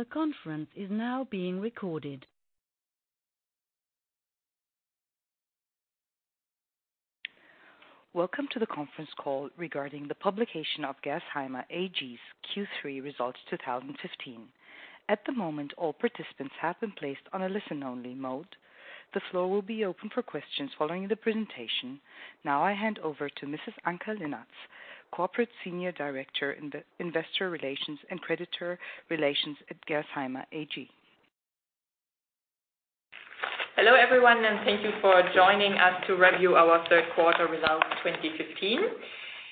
The conference is now being recorded. Welcome to the conference call regarding the publication of Gerresheimer AG's Q3 results 2015. At the moment, all participants have been placed on a listen-only mode. The floor will be open for questions following the presentation. Now I hand over to Mrs. Anke Linnartz, Corporate Senior Director in the Investor Relations and Creditor Relations at Gerresheimer AG. Hello, everyone. Thank you for joining us to review our third quarter results 2015.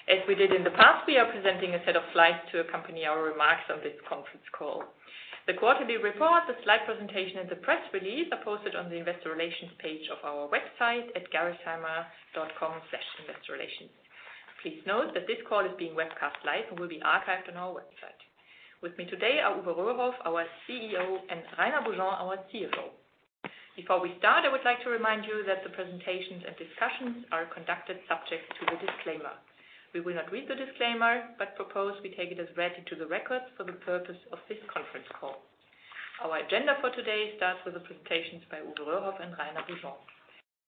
As we did in the past, we are presenting a set of slides to accompany our remarks on this conference call. The quarterly report, the slide presentation, and the press release are posted on the investor relations page of our website at gerresheimer.com/investorrelations. Please note that this call is being webcast live and will be archived on our website. With me today are Uwe Röhrhoff, our CEO, and Rainer Buesgen, our CFO. Before we start, I would like to remind you that the presentations and discussions are conducted subject to the disclaimer. We will not read the disclaimer, but propose we take it as read into the records for the purpose of this conference call. Our agenda for today starts with the presentations by Uwe Röhrhoff and Rainer Buesgen.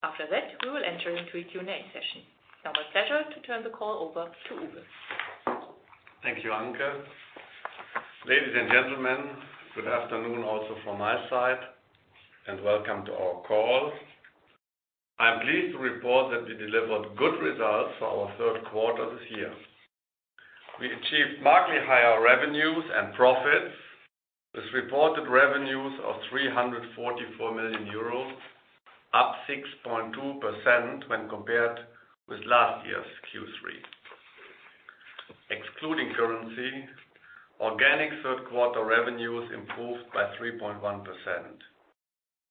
After that, we will enter into a Q&A session. Now it's my pleasure to turn the call over to Uwe. Thank you, Anke. Ladies and gentlemen, good afternoon also from my side. Welcome to our call. I'm pleased to report that we delivered good results for our third quarter this year. We achieved markedly higher revenues and profits, with reported revenues of 344 million euros, up 6.2% when compared with last year's Q3. Excluding currency, organic third quarter revenues improved by 3.1%,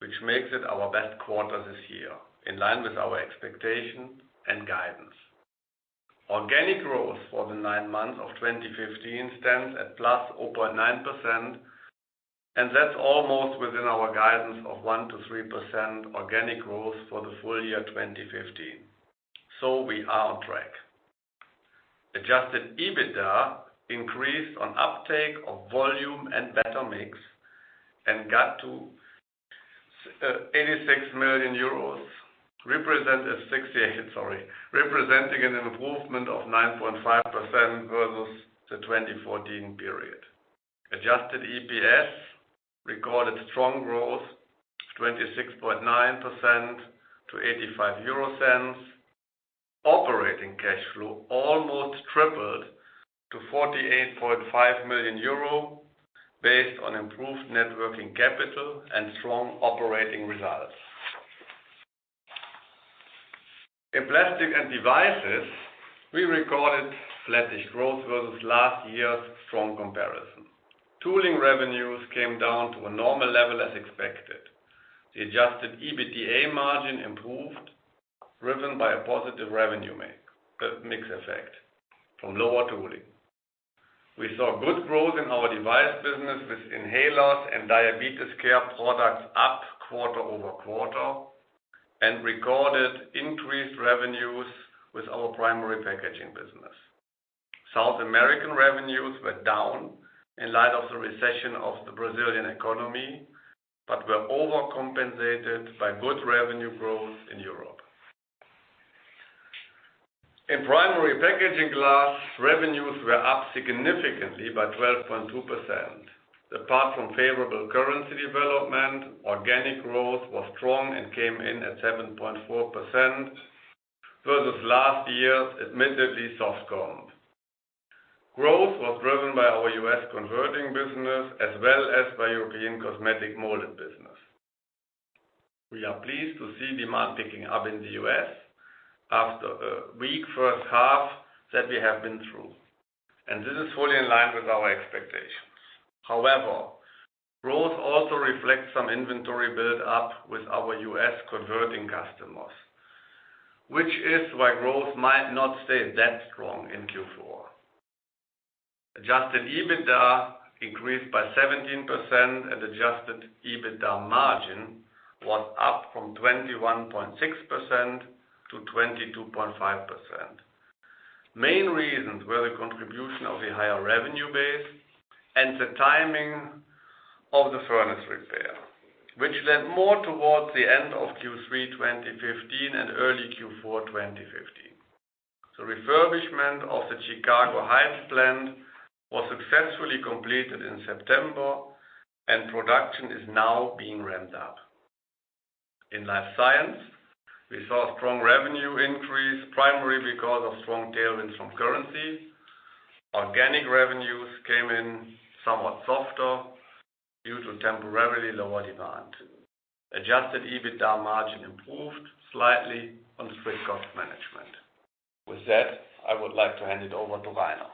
which makes it our best quarter this year, in line with our expectation and guidance. Organic growth for the nine months of 2015 stands at plus 0.9%. That's almost within our guidance of 1%-3% organic growth for the full year 2015. We are on track. Adjusted EBITDA increased on uptake of volume and better mix and got to EUR 68 million. Representing an improvement of 9.5% versus the 2014 period. Adjusted EPS recorded strong growth, 26.9% to 0.85. Operating cash flow almost tripled to 48.5 million euro, based on improved networking capital and strong operating results. In Plastics & Devices, we recorded flattish growth versus last year's strong comparison. Tooling revenues came down to a normal level as expected. The adjusted EBITDA margin improved, driven by a positive revenue mix effect from lower tooling. We saw good growth in our device business with inhalers and diabetes care products up quarter-over-quarter and recorded increased revenues with our Primary Packaging business. South American revenues were down in light of the recession of the Brazilian economy, but were overcompensated by good revenue growth in Europe. In Primary Packaging Glass, revenues were up significantly by 12.2%. Apart from favorable currency development, organic growth was strong and came in at 7.4% versus last year's admittedly soft comp. Growth was driven by our U.S. converting business as well as by European cosmetic molded business. We are pleased to see demand picking up in the U.S. after a weak first half that we have been through, and this is fully in line with our expectations. However, growth also reflects some inventory build-up with our U.S. converting customers, which is why growth might not stay that strong in Q4. Adjusted EBITDA increased by 17% and adjusted EBITDA margin was up from 21.6% to 22.5%. Main reasons were the contribution of the higher revenue base and the timing of the furnace repair, which led more towards the end of Q3 2015 and early Q4 2015. The refurbishment of the Chicago Heights plant was successfully completed in September, and production is now being ramped up. In Life Science, we saw a strong revenue increase, primarily because of strong tailwinds from currency. Organic revenues came in somewhat softer due to temporarily lower demand. Adjusted EBITDA margin improved slightly on the strict cost management. With that, I would like to hand it over to Rainer.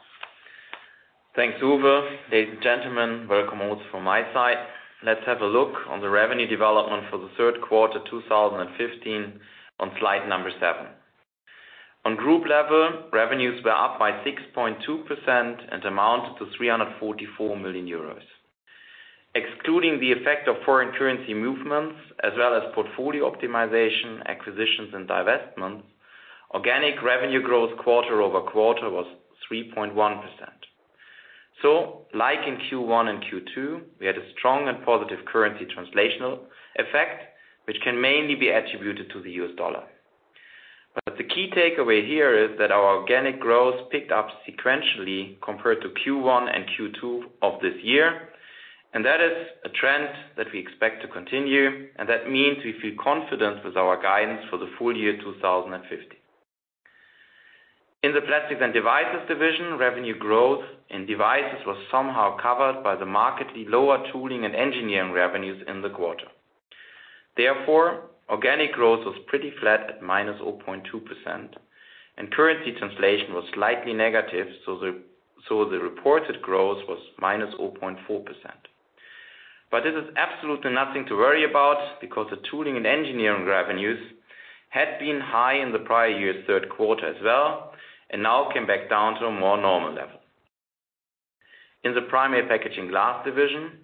Thanks, Uwe. Ladies and gentlemen, welcome also from my side. Let's have a look on the revenue development for the third quarter 2015 on slide number seven. On group level, revenues were up by 6.2% and amounted to 344 million euros. Excluding the effect of foreign currency movements, as well as portfolio optimization, acquisitions, and divestments, organic revenue growth quarter-over-quarter was 3.1%. Like in Q1 and Q2, we had a strong and positive currency translational effect, which can mainly be attributed to the U.S. dollar. The key takeaway here is that our organic growth picked up sequentially compared to Q1 and Q2 of this year, and that is a trend that we expect to continue, and that means we feel confident with our guidance for the full year 2015. In the Plastics & Devices division, revenue growth in devices was somehow covered by the markedly lower tooling and engineering revenues in the quarter. Therefore, organic growth was pretty flat at minus 0.2%, and currency translation was slightly negative, so the reported growth was minus 0.4%. This is absolutely nothing to worry about, because the tooling and engineering revenues had been high in the prior year's third quarter as well, and now came back down to a more normal level. In the Primary Packaging Glass division,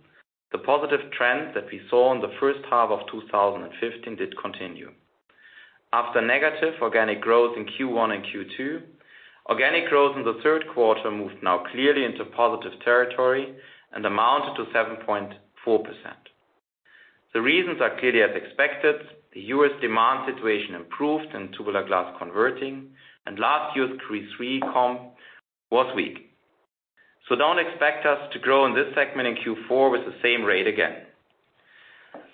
the positive trends that we saw in the first half of 2015 did continue. After negative organic growth in Q1 and Q2, organic growth in the third quarter moved now clearly into positive territory and amounted to 7.4%. The reasons are clearly as expected. The U.S. demand situation improved in tubular glass converting, and last year's Q3 comp was weak. Do not expect us to grow in this segment in Q4 with the same rate again.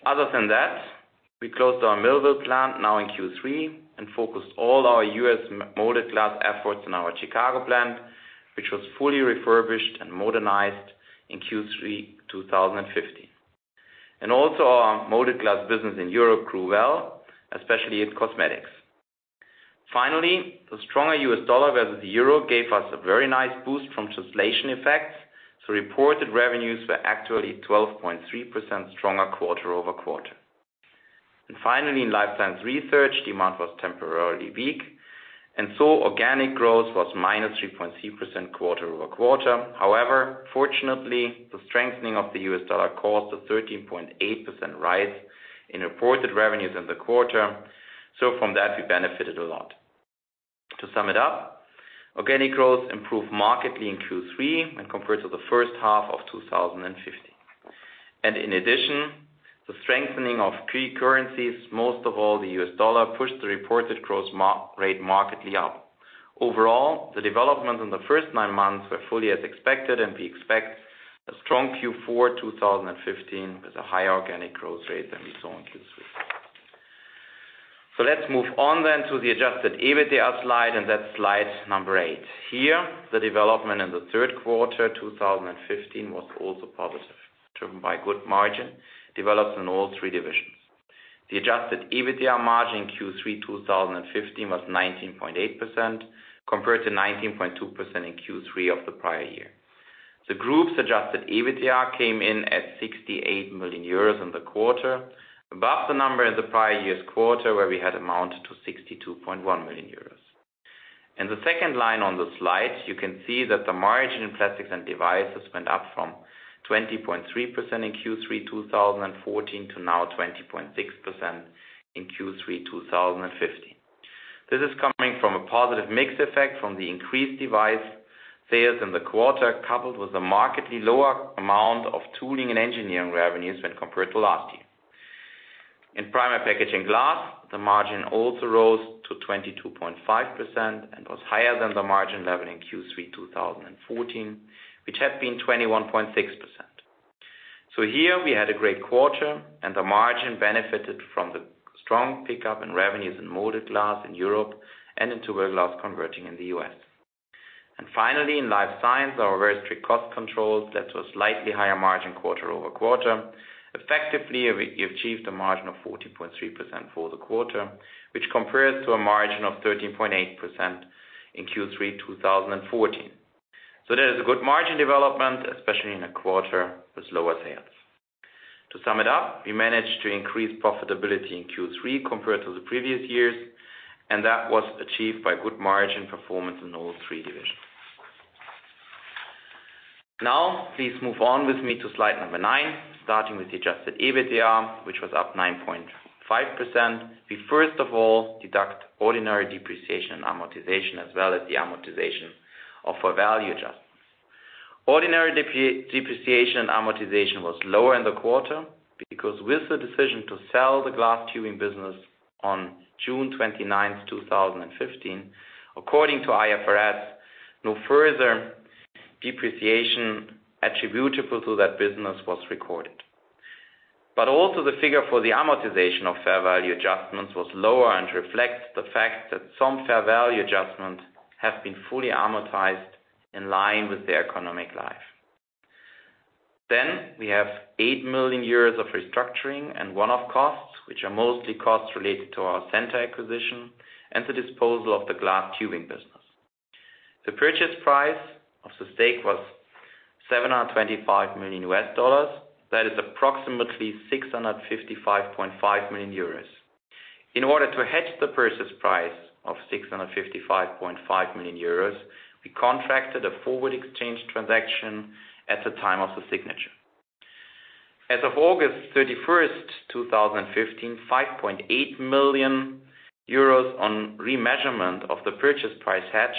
Other than that, we closed our Millville plant now in Q3 and focused all our U.S. molded glass efforts in our Chicago plant, which was fully refurbished and modernized in Q3 2015. Also, our molded glass business in Europe grew well, especially in cosmetics. Finally, the stronger U.S. dollar versus the euro gave us a very nice boost from translation effects, so reported revenues were actually 12.3% stronger quarter-over-quarter. Finally, in Life Science Research, demand was temporarily weak, and so organic growth was minus 3.3% quarter-over-quarter. However, fortunately, the strengthening of the U.S. dollar caused a 13.8% rise in reported revenues in the quarter, so from that, we benefited a lot. To sum it up, organic growth improved markedly in Q3 when compared to the first half of 2015. In addition, the strengthening of key currencies, most of all, the U.S. dollar, pushed the reported growth rate markedly up. Overall, the developments in the first nine months were fully as expected, and we expect a strong Q4 2015 with a higher organic growth rate than we saw in Q3. Let's move on then to the adjusted EBITDA slide, and that's slide number eight. Here, the development in the third quarter 2015 was also positive, driven by good margin developed in all three divisions. The adjusted EBITDA margin in Q3 2015 was 19.8%, compared to 19.2% in Q3 of the prior year. The group's adjusted EBITDA came in at 68 million euros in the quarter, above the number in the prior year's quarter, where we had amounted to 62.1 million euros. In the second line on the slide, you can see that the margin in Plastics & Devices went up from 20.3% in Q3 2014 to now 20.6% in Q3 2015. This is coming from a positive mix effect from the increased device sales in the quarter, coupled with a markedly lower amount of tooling and engineering revenues when compared to last year. In Primary Packaging Glass, the margin also rose to 22.5% and was higher than the margin level in Q3 2014, which had been 21.6%. Here, we had a great quarter, and the margin benefited from the strong pickup in revenues in molded glass in Europe and in tubular glass converting in the U.S. Finally, in Life Science, our very strict cost controls led to a slightly higher margin quarter-over-quarter. Effectively, we achieved a margin of 14.3% for the quarter, which compares to a margin of 13.8% in Q3 2014. There is a good margin development, especially in a quarter with lower sales. To sum it up, we managed to increase profitability in Q3 compared to the previous years, and that was achieved by good margin performance in all three divisions. Now, please move on with me to slide number nine, starting with the adjusted EBITDA, which was up 9.5%. We first of all deduct ordinary depreciation amortization, as well as the amortization of our value adjustments. Ordinary depreciation amortization was lower in the quarter because with the decision to sell the glass tubing business on June 29, 2015, according to IFRS, no further depreciation attributable to that business was recorded. Also the figure for the amortization of fair value adjustments was lower and reflects the fact that some fair value adjustments have been fully amortized in line with their economic life. We have 8 million euros of restructuring and one-off costs, which are mostly costs related to our Centor acquisition and the disposal of the glass tubing business. The purchase price of the stake was $725 million, that is approximately 655.5 million euros. In order to hedge the purchase price of 655.5 million euros, we contracted a forward exchange transaction at the time of the signature. As of August 31, 2015, 5.8 million euros on remeasurement of the purchase price hedge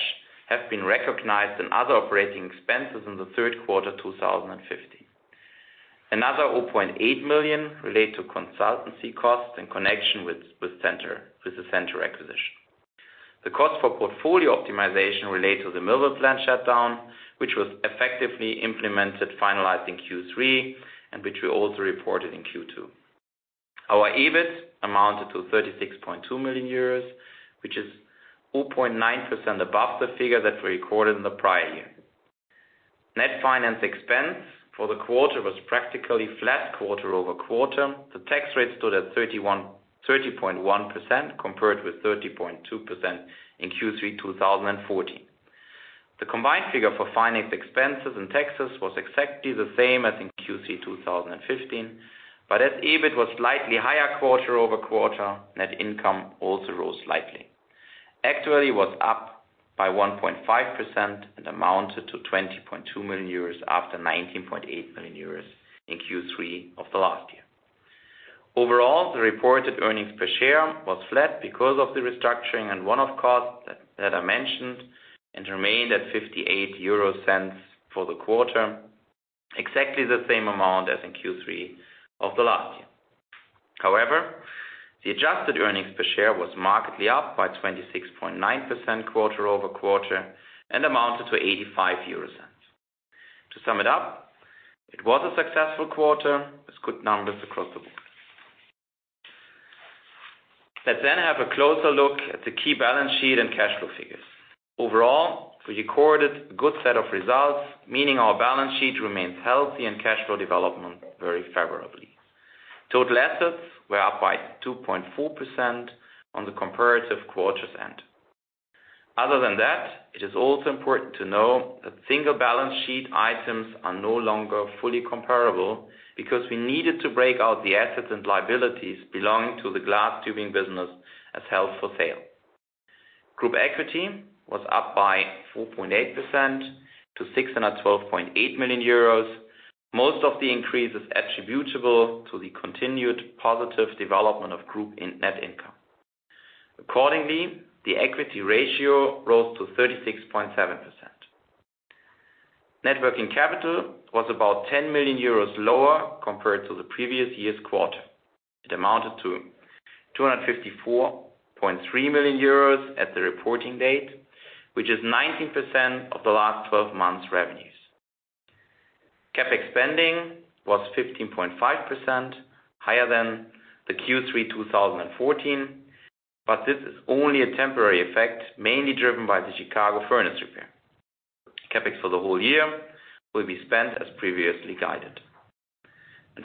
have been recognized in other operating expenses in the third quarter 2015. Another 0.8 million relate to consultancy costs in connection with the Centor acquisition. The cost for portfolio optimization relate to the Millville plant shutdown, which was effectively implemented, finalized in Q3, and which we also reported in Q2. Our EBIT amounted to 36.2 million euros, which is 0.9% above the figure that we recorded in the prior year. Net finance expense for the quarter was practically flat quarter-over-quarter. The tax rate stood at 30.1%, compared with 30.2% in Q3 2014. The combined figure for finance expenses and taxes was exactly the same as in Q3 2015, as EBIT was slightly higher quarter-over-quarter, net income also rose slightly. Actually was up by 1.5% and amounted to 20.2 million euros after 19.8 million euros in Q3 of the last year. Overall, the reported earnings per share was flat because of the restructuring and one-off costs that I mentioned, and remained at 0.58 for the quarter, exactly the same amount as in Q3 of the last year. However, the adjusted earnings per share was markedly up by 26.9% quarter-over-quarter and amounted to 0.85. To sum it up, it was a successful quarter with good numbers across the board. Let's then have a closer look at the key balance sheet and cash flow figures. Overall, we recorded a good set of results, meaning our balance sheet remains healthy and cash flow development very favorably. Total assets were up by 2.4% on the comparative quarter's end. Other than that, it is also important to know that single balance sheet items are no longer fully comparable because we needed to break out the assets and liabilities belonging to the glass tubing business as held for sale. Group equity was up by 4.8% to 612.8 million euros. Most of the increase is attributable to the continued positive development of group net income. Accordingly, the equity ratio rose to 36.7%. Net working capital was about 10 million euros lower compared to the previous year's quarter. It amounted to 254.3 million euros at the reporting date, which is 19% of the last 12 months revenues. CapEx spending was 15.5% higher than the Q3 2014, this is only a temporary effect, mainly driven by the Chicago furnace repair. CapEx for the whole year will be spent as previously guided.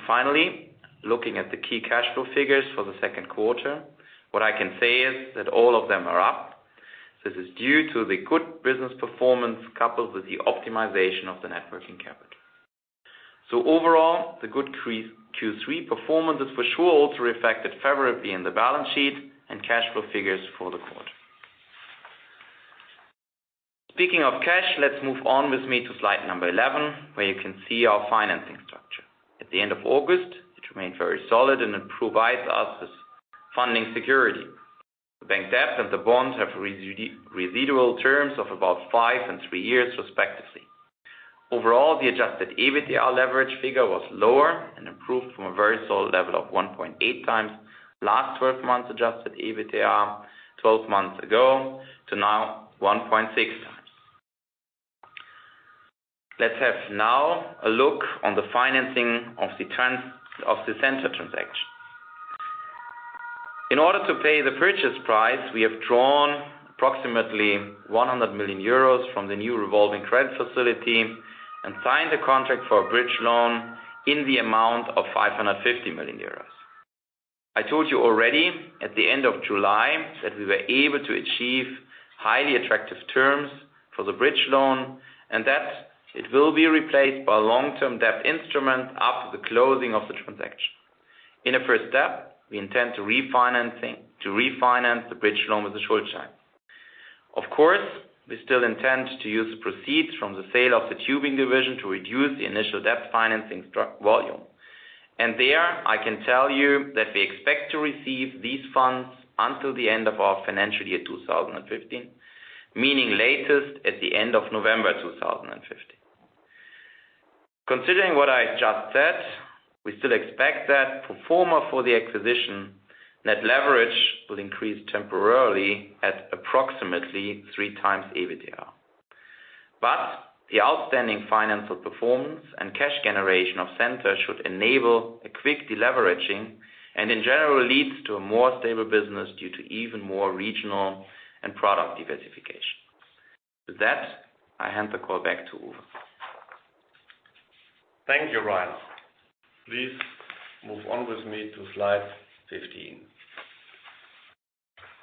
Finally, looking at the key cash flow figures for the second quarter, what I can say is that all of them are up. This is due to the good business performance coupled with the optimization of the net working capital. Overall, the good Q3 performance is for sure also reflected favorably in the balance sheet and cash flow figures for the quarter. Speaking of cash, let's move on with me to slide number 11, where you can see our financing structure. At the end of August, it remained very solid, and it provides us with funding security. The bank debt and the bonds have residual terms of about five and three years, respectively. Overall, the adjusted EBITDA leverage figure was lower and improved from a very solid level of 1.8 times last 12 months adjusted EBITDA 12 months ago to now 1.6 times. Let's have now a look on the financing of the Centor transaction. In order to pay the purchase price, we have drawn approximately 100 million euros from the new revolving credit facility and signed a contract for a bridge loan in the amount of 550 million euros. I told you already at the end of July that we were able to achieve highly attractive terms for the bridge loan, and that it will be replaced by a long-term debt instrument after the closing of the transaction. In a first step, we intend to refinance the bridge loan with the Schuldschein. Of course, we still intend to use the proceeds from the sale of the tubing division to reduce the initial debt financing volume. There I can tell you that we expect to receive these funds until the end of our financial year 2015, meaning latest at the end of November 2015. Considering what I just said, we still expect that pro forma for the acquisition, net leverage will increase temporarily at approximately three times EBITDA. The outstanding financial performance and cash generation of Centor should enable a quick deleveraging and in general leads to a more stable business due to even more regional and product diversification. With that, I hand the call back to Uwe. Thank you, Rainer. Please move on with me to slide 15.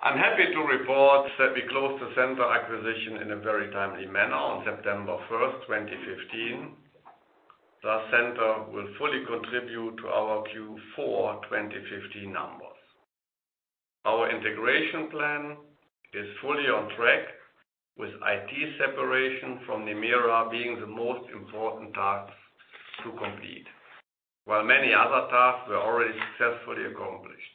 I am happy to report that we closed the Centor acquisition in a very timely manner on September 1st, 2015. Thus, Centor will fully contribute to our Q4 2015 numbers. Our integration plan is fully on track with IT separation from Nemera being the most important task to complete, while many other tasks were already successfully accomplished.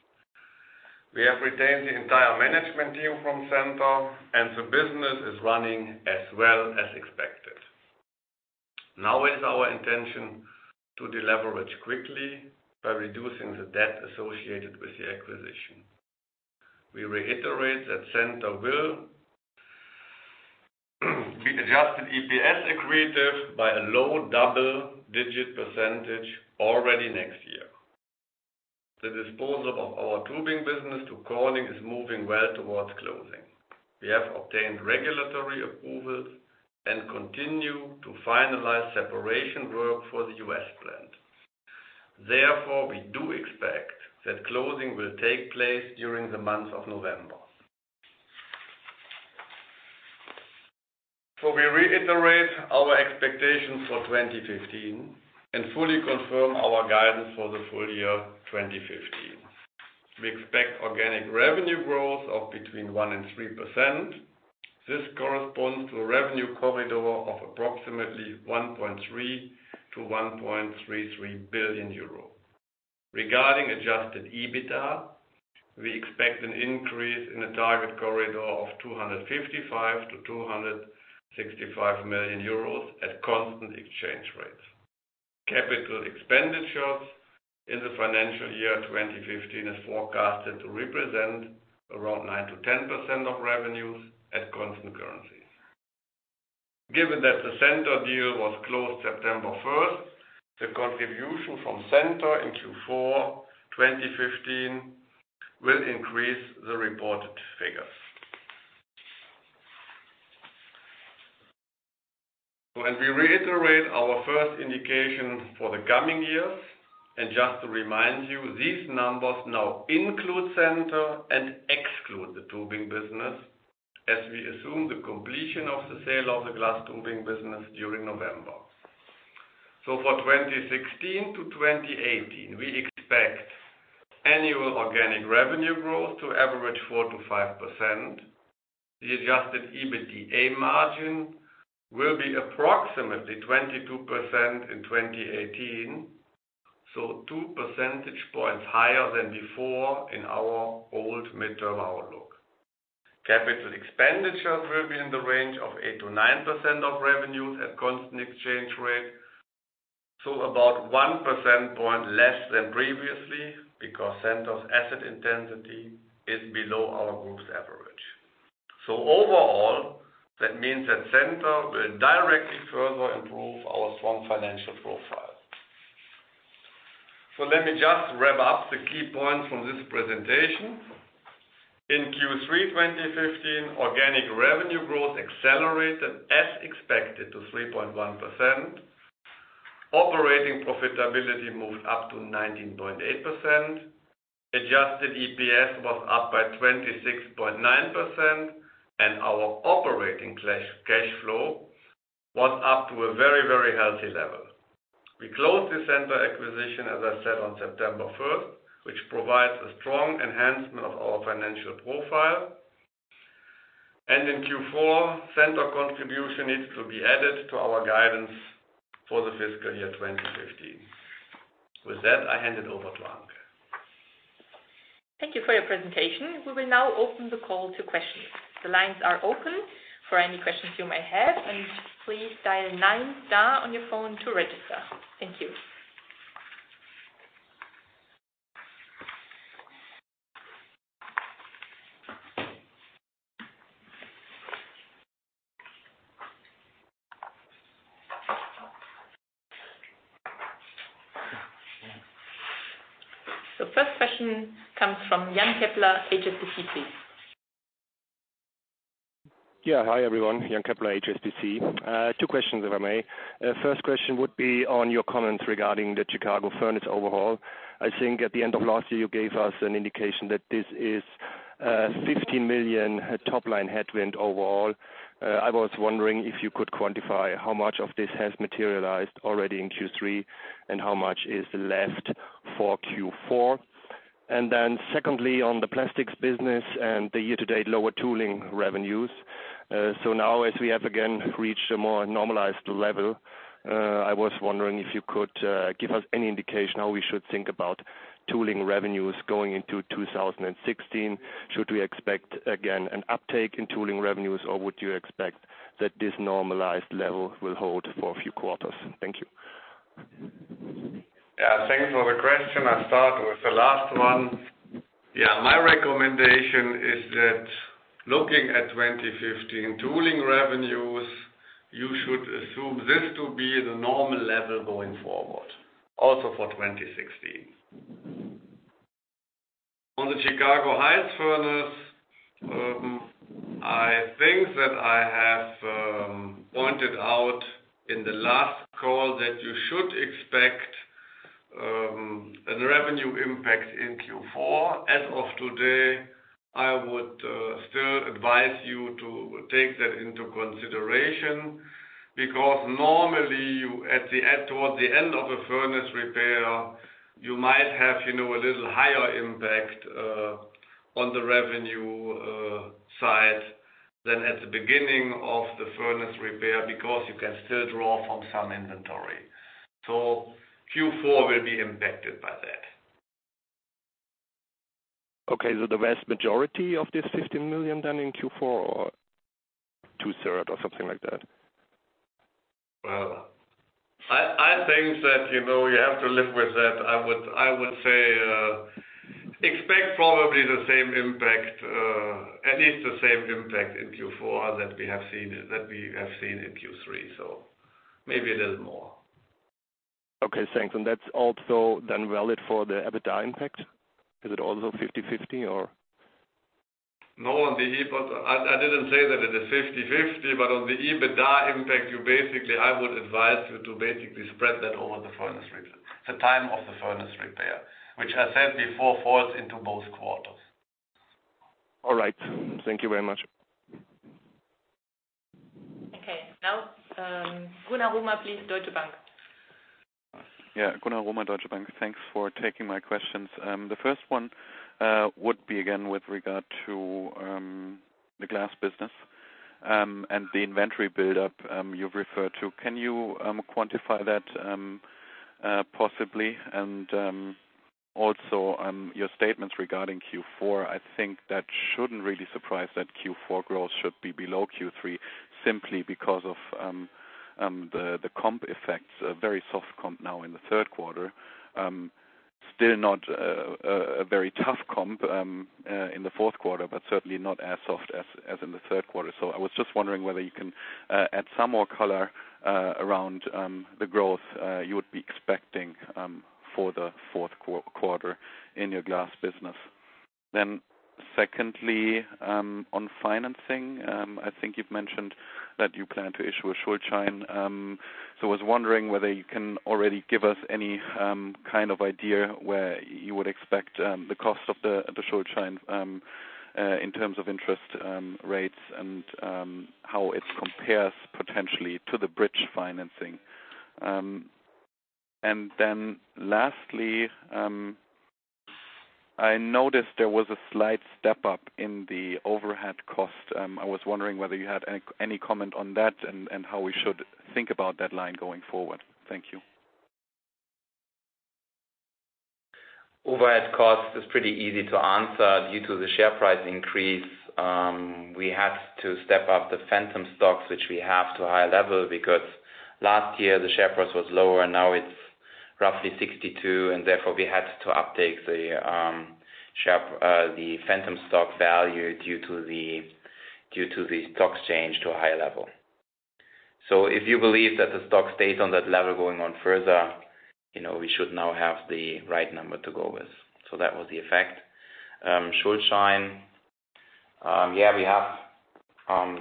We have retained the entire management team from Centor, and the business is running as well as expected. It is our intention to deleverage quickly by reducing the debt associated with the acquisition. We reiterate that Centor will be adjusted EPS accretive by a low double-digit % already next year. The disposal of our tubing business to Corning is moving well towards closing. We have obtained regulatory approvals and continue to finalize separation work for the U.S. plant. We do expect that closing will take place during the month of November. We reiterate our expectations for 2015 and fully confirm our guidance for the full year 2015. We expect organic revenue growth of between 1% and 3%. This corresponds to a revenue corridor of approximately 1.3 billion-1.33 billion euro. Regarding adjusted EBITDA, we expect an increase in a target corridor of 255 million-265 million euros at constant exchange rates. Capital expenditures in the financial year 2015 is forecasted to represent around 9%-10% of revenues at constant currencies. Given that the Centor deal was closed September 1st, the contribution from Centor in Q4 2015 will increase the reported figures. We reiterate our first indication for the coming years. Just to remind you, these numbers now include Centor and exclude the tubing business as we assume the completion of the sale of the glass tubing business during November. For 2016 to 2018, we expect annual organic revenue growth to average 4%-5%. The adjusted EBITDA margin will be approximately 22% in 2018, so two percentage points higher than before in our old mid-term outlook. Capital expenditures will be in the range of 8%-9% of revenues at constant exchange rate. About one percentage point less than previously because Centor's asset intensity is below our group's average. Overall, that means that Centor will directly further improve our strong financial profile. Let me just wrap up the key points from this presentation. In Q3 2015, organic revenue growth accelerated as expected to 3.1%. Operating profitability moved up to 19.8%. Adjusted EPS was up by 26.9% and our operating cash flow was up to a very, very healthy level. We closed the Centor acquisition, as I said, on September 1st, which provides a strong enhancement of our financial profile. In Q4, Centor contribution is to be added to our guidance for the fiscal year 2015. With that, I hand it over to Anke. Thank you for your presentation. We will now open the call to questions. The lines are open for any questions you may have. Please dial nine star on your phone to register. Thank you. The first question comes from Jan Keppler, HSBC. Yeah. Hi, everyone. Jan Keppler, HSBC. Two questions, if I may. First question would be on your comments regarding the Chicago furnace overhaul. I think at the end of last year, you gave us an indication that this is a 15 million top-line headwind overall. I was wondering if you could quantify how much of this has materialized already in Q3 and how much is left for Q4. Secondly, on the plastics business and the year-to-date lower tooling revenues. Now, as we have again reached a more normalized level, I was wondering if you could give us any indication how we should think about tooling revenues going into 2016. Should we expect, again, an uptake in tooling revenues, or would you expect that this normalized level will hold for a few quarters? Thank you. Yeah. Thanks for the question. I'll start with the last one. Yeah. My recommendation is that looking at 2015 tooling revenues, you should assume this to be the normal level going forward, also for 2016. On the Chicago Heights furnace, I think that I have pointed out in the last call that you should expect a revenue impact in Q4. As of today, I would still advise you to take that into consideration, because normally toward the end of a furnace repair, you might have a little higher impact on the revenue side than at the beginning of the furnace repair, because you can still draw from some inventory. Q4 will be impacted by that. Okay. The vast majority of this 15 million then in Q4, or two-third or something like that? I think that you have to live with that. I would say, expect probably at least the same impact in Q4 that we have seen in Q3. Maybe a little more. Okay, thanks. That's also then valid for the EBITDA impact? Is it also 50/50 or? No, I didn't say that it is 50/50, on the EBITDA impact, basically, I would advise you to basically spread that over the time of the furnace repair, which I said before falls into both quarters. All right. Thank you very much. Okay. Now, Gunnar Romer, please. Deutsche Bank. Yeah. Gunnar Romer, Deutsche Bank. Thanks for taking my questions. The first one would be, again, with regard to the glass business and the inventory buildup you've referred to. Can you quantify that possibly? Also, your statements regarding Q4, I think that shouldn't really surprise that Q4 growth should be below Q3 simply because of the comp effects. A very soft comp now in the third quarter. Still not a very tough comp in the fourth quarter, but certainly not as soft as in the third quarter. I was just wondering whether you can add some more color around the growth you would be expecting for the fourth quarter in your glass business. Secondly, on financing, I think you've mentioned that you plan to issue a Schuldschein. I was wondering whether you can already give us any kind of idea where you would expect the cost of the Schuldschein in terms of interest rates and how it compares potentially to the bridge financing. Lastly, I noticed there was a slight step-up in the overhead cost. I was wondering whether you had any comment on that and how we should think about that line going forward. Thank you. Overhead cost is pretty easy to answer. Due to the share price increase, we had to step up the phantom stock, which we have to a higher level because last year the share price was lower. Now it's roughly 62, therefore we had to uptake the phantom stock value due to the stocks change to a higher level. If you believe that the stock stays on that level going on further, we should now have the right number to go with. That was the effect. Schuldschein. Yeah, we have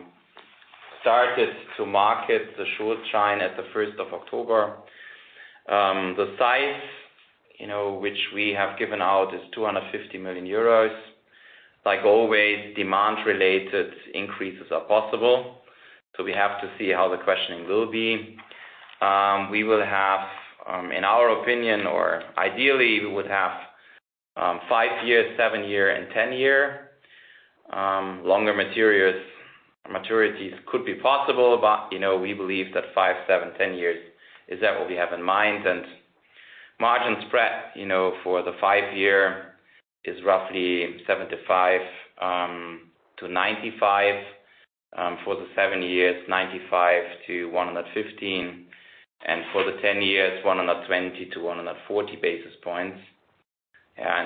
started to market the Schuldschein at the 1st of October. The size which we have given out is 250 million euros. Like always, demand-related increases are possible, so we have to see how the questioning will be. We will have, in our opinion, or ideally we would have five year, seven year, and 10 year. Longer maturities could be possible, we believe that five, seven, 10 years is that what we have in mind. Margin spread for the five-year is roughly 75-95. For the seven years, 95-115. For the 10 years, 120-140 basis points.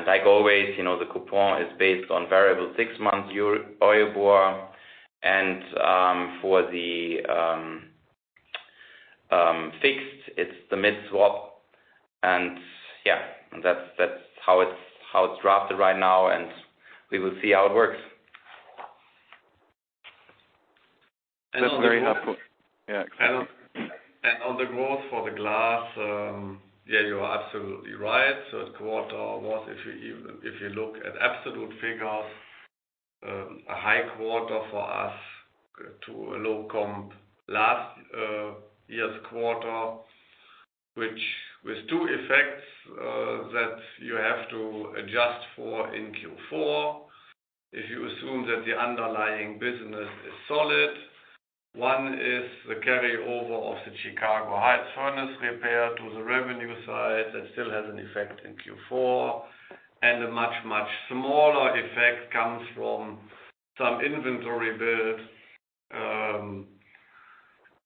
Like always, the coupon is based on variable six months EURIBOR. For the fixed, it's the mid-swap. Yeah, that's how it's drafted right now, and we will see how it works. That's very helpful. Yeah. On the growth for the glass, yeah, you are absolutely right. Third quarter was, if you look at absolute figures, a high quarter for us to a low comp last year's quarter, which with two effects that you have to adjust for in Q4. If you assume that the underlying business is solid, one is the carryover of the Chicago Heights furnace repair to the revenue side. That still has an effect in Q4. A much, much smaller effect comes from some inventory build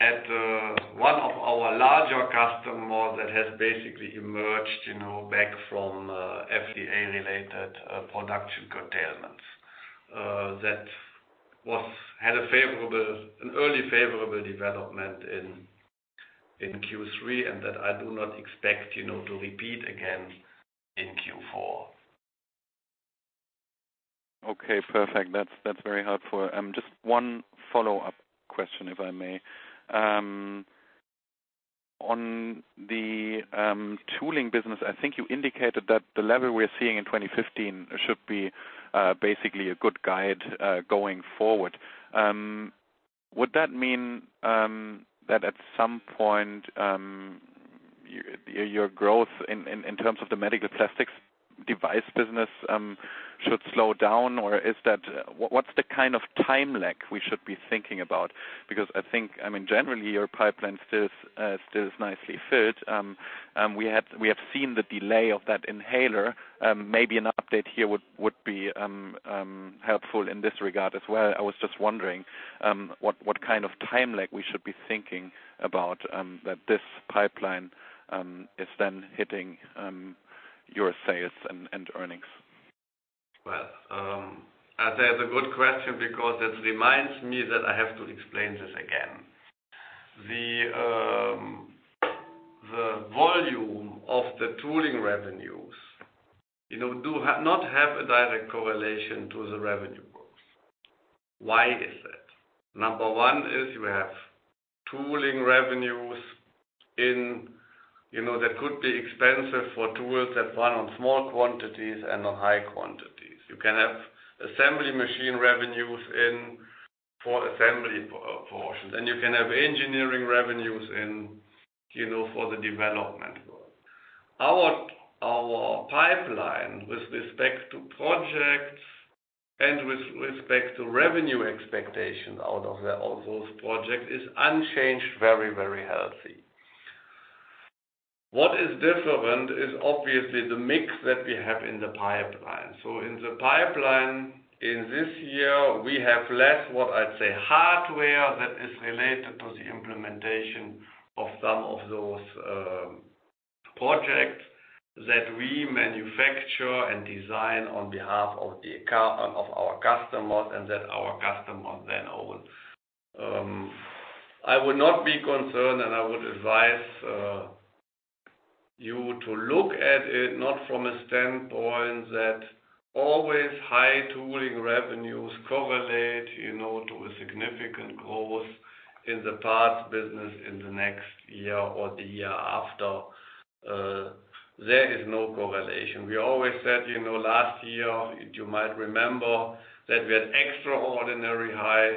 at one of our larger customers that has basically emerged back from FDA-related production curtailments. That had an early favorable development in Q3, and that I do not expect to repeat again in Q4. Okay, perfect. That's very helpful. Just one follow-up question, if I may. On the tooling business, I think you indicated that the level we're seeing in 2015 should be basically a good guide going forward. Would that mean that at some point, your growth in terms of the medical plastics device business should slow down? Or what's the kind of time lag we should be thinking about? Because I think, generally, your pipeline still is nicely filled. We have seen the delay of that inhaler. Maybe an update here would be helpful in this regard as well. I was just wondering what kind of time lag we should be thinking about, that this pipeline is then hitting your sales and earnings. Well, that is a good question because it reminds me that I have to explain this again. The volume of the tooling revenues do not have a direct correlation to the revenue growth. Why is that? Number one is you have tooling revenues that could be expensive for tools that run on small quantities and on high quantities. You can have assembly machine revenues in for assembly portions, and you can have engineering revenues in for the development work. Our pipeline with respect to projects and with respect to revenue expectations out of those projects is unchanged, very healthy. What is different is obviously the mix that we have in the pipeline. In the pipeline in this year, we have less, what I'd say, hardware that is related to the implementation of some of those projects that we manufacture and design on behalf of our customers and that our customers then own. I would not be concerned, and I would advise you to look at it not from a standpoint that always high tooling revenues correlate to a significant growth in the parts business in the next year or the year after. There is no correlation. We always said, last year, you might remember, that we had extraordinarily high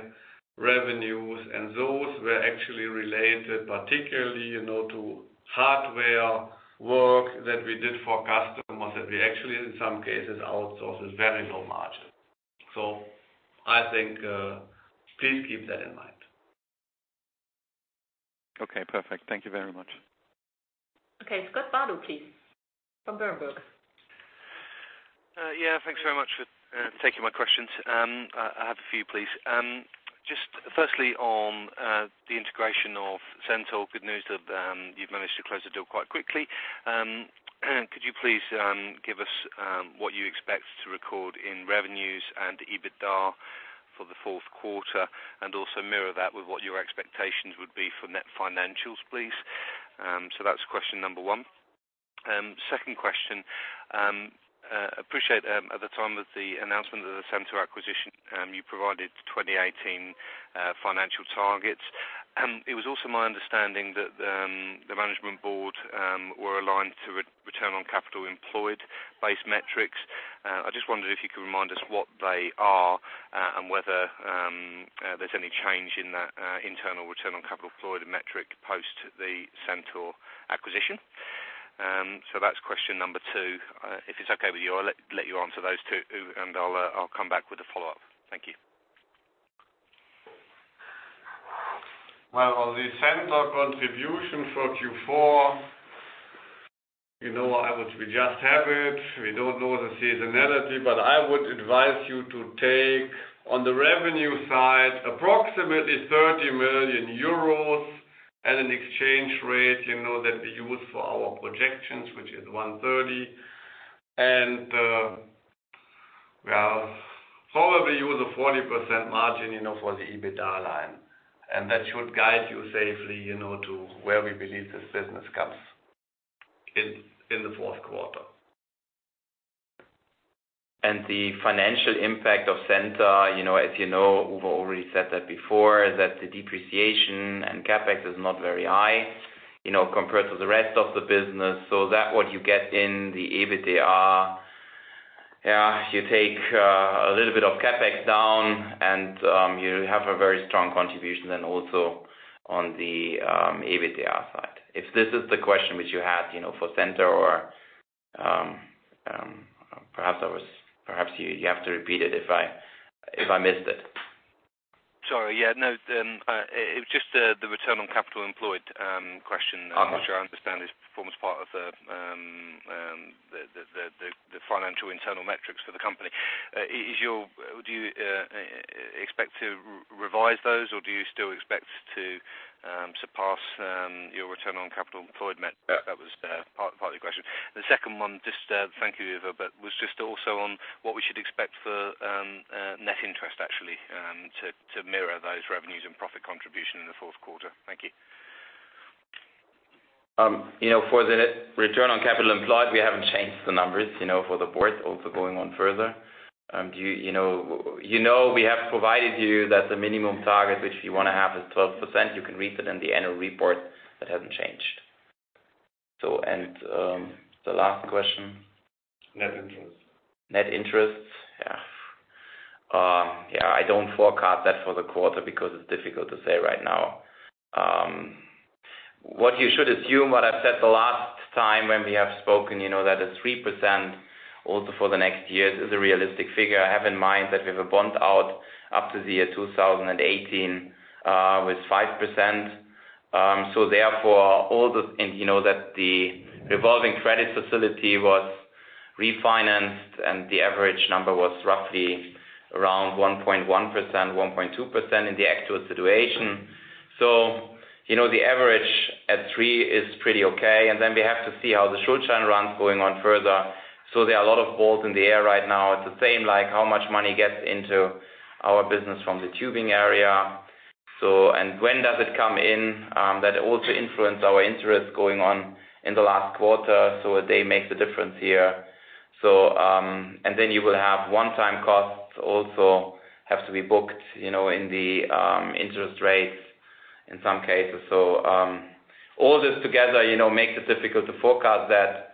revenues, and those were actually related particularly to hardware work that we did for customers that we actually, in some cases, outsourced with very low margin. I think, please keep that in mind. Okay, perfect. Thank you very much. Okay. Scott Bardo, please, from Berenberg. Yeah. Thanks very much for taking my questions. I have a few, please. Just firstly, on the integration of Centor. Good news that you've managed to close the deal quite quickly. Could you please give us what you expect to record in revenues and EBITDA for the fourth quarter and also mirror that with what your expectations would be for net financials, please? That's question number one. Second question. Appreciate at the time of the announcement of the Centor acquisition, you provided 2018 financial targets. It was also my understanding that the management board were aligned to return on capital employed base metrics. I just wondered if you could remind us what they are and whether there's any change in that internal return on capital employed metric post the Centor acquisition. That's question number two. If it's okay with you, I'll let you answer those two and I'll come back with a follow-up. Thank you. Well, the Centor contribution for Q4, we just have it. We don't know the seasonality, but I would advise you to take, on the revenue side, approximately 30 million euros at an exchange rate that we use for our projections, which is 130, and probably use a 40% margin for the EBITDA line. That should guide you safely to where we believe this business comes in the fourth quarter. The financial impact of Centor, as you know, Uwe already said that before, that the depreciation and CapEx is not very high compared to the rest of the business. That what you get in the EBITDA, yeah, you take a little bit of CapEx down and you have a very strong contribution then also on the EBITDA side. If this is the question which you had for Centor or perhaps you have to repeat it if I missed it. Sorry. Yeah, no. It was just the return on capital employed question. Which I understand is forms part of the financial internal metrics for the company. Do you expect to revise those, or do you still expect to surpass your return on capital employed metric? That was part of the question. The second one, thank you, Uwe, was just also on what we should expect for net interest, actually, to mirror those revenues and profit contribution in the fourth quarter. Thank you. For the return on capital employed, we haven't changed the numbers for the board also going on further. You know we have provided you that the minimum target, which we want to have, is 12%. You can read it in the annual report. That hasn't changed. The last question? Net interest. Net interest. I don't forecast that for the quarter because it's difficult to say right now. What you should assume, what I've said the last time when we have spoken, that is 3% also for the next years is a realistic figure. Have in mind that we have a bond out up to the year 2018 with 5%. Therefore, all the-- You know that the revolving credit facility was refinanced, and the average number was roughly around 1.1%, 1.2% in the actual situation. The average at 3 is pretty okay. Then we have to see how the Schuldschein runs going on further. There are a lot of balls in the air right now. It's the same like how much money gets into our business from the tubing area. When does it come in? That also influence our interest going on in the last quarter, so a day makes a difference here. Then you will have one-time costs also have to be booked in the interest rates in some cases. All this together makes it difficult to forecast that.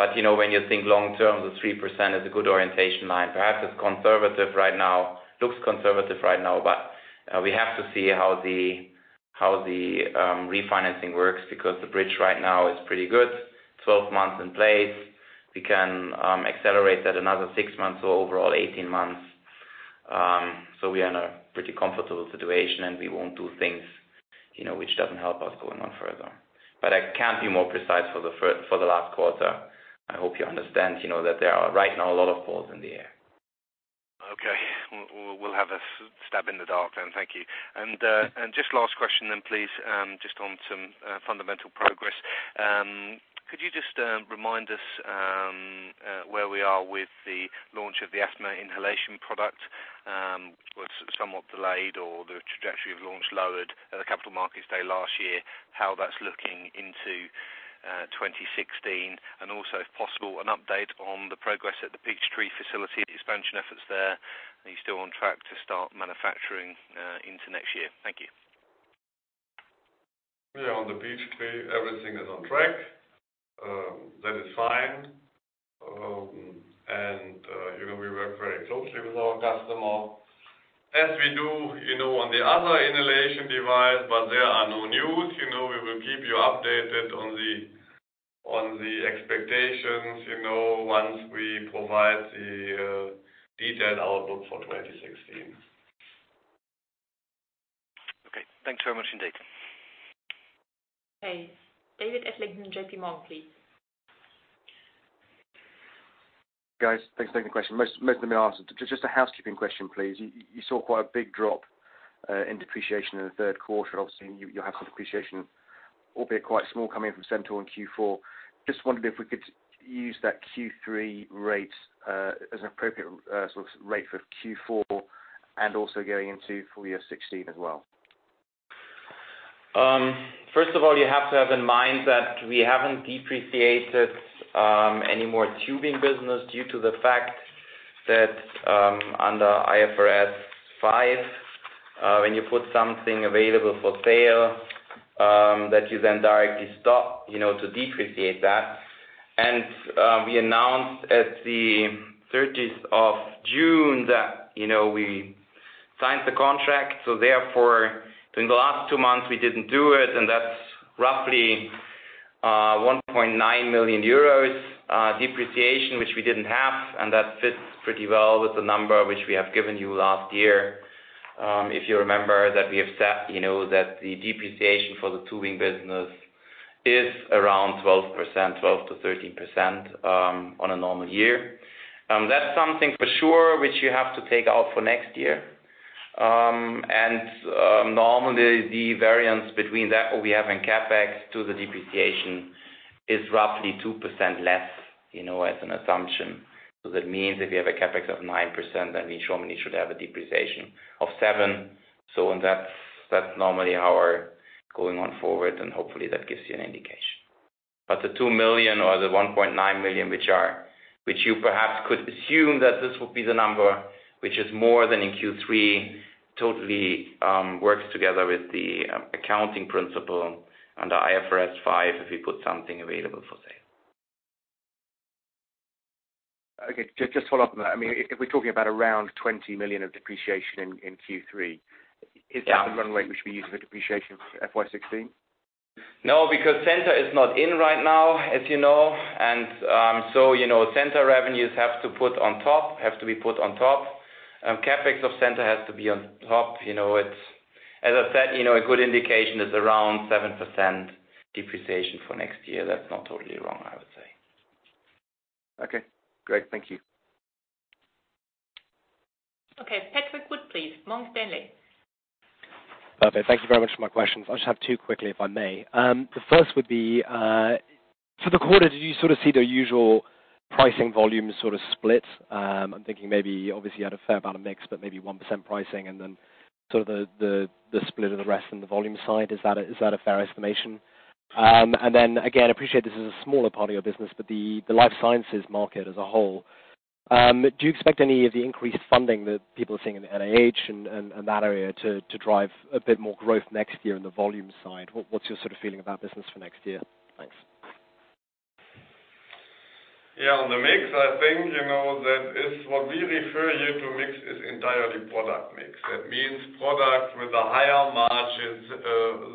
When you think long term, the 3% is a good orientation line. Perhaps it's conservative right now, looks conservative right now, but we have to see how the refinancing works because the bridge right now is pretty good. 12 months in place. We can accelerate that another six months or overall 18 months. We are in a pretty comfortable situation, and we won't do things which doesn't help us going on further. I can't be more precise for the last quarter. I hope you understand that there are right now a lot of balls in the air. We'll have a stab in the dark then. Thank you. Just last question then please, just on some fundamental progress. Could you just remind us where we are with the launch of the asthma inhalation product? Was it somewhat delayed, or the trajectory of launch lowered at the capital markets day last year, how that's looking into 2016 and also, if possible, an update on the progress at the Peachtree facility, the expansion efforts there. Are you still on track to start manufacturing into next year? Thank you. On the Peachtree, everything is on track. That is fine. We work very closely with our customer. As we do on the other inhalation device, but there are no news. We will keep you updated on the expectations once we provide the detailed outlook for 2016. Okay. Thanks very much indeed. Okay. David Adlington JPMorgan, please. Guys, thanks for taking the question. Most of them are answered. Just a housekeeping question, please. You saw quite a big drop in depreciation in the third quarter. Obviously, you have depreciation, albeit quite small, coming in from Centor in Q4. Just wondering if we could use that Q3 rate as an appropriate sort of rate for Q4 and also going into full year 2016 as well. First of all, you have to have in mind that we haven't depreciated any more tubing business due to the fact that, under IFRS 5, when you put something available for sale, that you then directly stop to depreciate that. We announced at the 30th of June that we signed the contract, therefore, during the last two months, we didn't do it, and that's roughly 1.9 million euros depreciation, which we didn't have, and that fits pretty well with the number which we have given you last year. If you remember that we have set that the depreciation for the tubing business is around 12%, 12%-13% on a normal year. That's something for sure which you have to take out for next year. Normally the variance between that what we have in CapEx to the depreciation is roughly 2% less, as an assumption. That means if you have a CapEx of 9%, then we normally should have a depreciation of 7%. That's normally our going on forward, and hopefully, that gives you an indication. The 2 million or the 1.9 million, which you perhaps could assume that this will be the number, which is more than in Q3, totally works together with the accounting principle under IFRS 5, if you put something available for sale. Okay. Just follow up on that. If we're talking about around 20 million of depreciation in Q3. Yeah. Is that the run rate we should be using for depreciation for FY 2016? No, because Centor is not in right now, as you know. Centor revenues have to be put on top. CapEx of Centor has to be on top. As I said, a good indication is around 7% depreciation for next year. That's not totally wrong, I would say. Okay, great. Thank you. Okay, Patrick Wood, please. Morgan Stanley. Perfect. Thank you very much for my questions. I just have two quickly, if I may. The first would be- For the quarter, did you see the usual pricing volume split? I'm thinking maybe, obviously, you had a fair amount of mix, but maybe 1% pricing, and then the split of the rest in the volume side. Is that a fair estimation? Again, I appreciate this is a smaller part of your business, but the life sciences market as a whole, do you expect any of the increased funding that people are seeing in the NIH and that area to drive a bit more growth next year in the volume side? What's your feeling about business for next year? Thanks. Yeah, on the mix, I think that is what we refer you to mix is entirely product mix. That means products with a higher margins